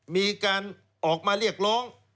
มีการออกมาเรียกร้อง